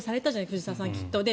藤澤さん、きっと。